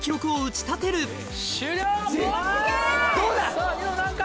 さぁニノ何回？